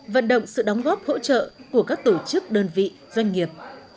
vận động sự đóng góp hỗ trợ của các tổ chức đơn vị doanh nghiệp